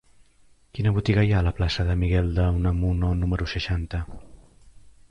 Quina botiga hi ha a la plaça de Miguel de Unamuno número seixanta?